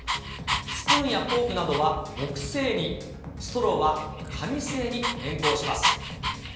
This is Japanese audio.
スプーンやフォークなどは木製に、ストローは紙製に変更します。